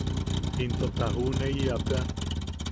Into ta juʼuneiyapea.